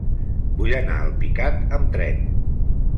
Vull anar a Alpicat amb tren.